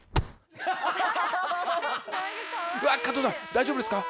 うわっ加藤さん大丈夫ですか？